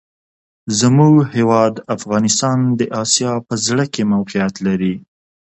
زموږ هېواد افغانستان د آسیا په زړه کي موقیعت لري.